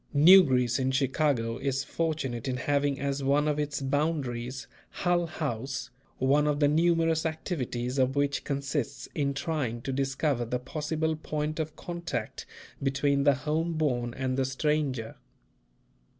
New Greece in Chicago is fortunate in having as one of its boundaries, Hull House, one of the numerous activities of which consists in trying to discover the possible point of contact between the home born and the stranger.